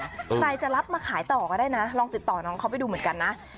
ใครจะรับมาขายต่อก็ได้นะลองติดต่อน้องเขาไปดูเหมือนกันนะ